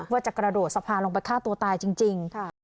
ว่าจะกระโดดสะพานลงไปฆ่าตัวตายจริง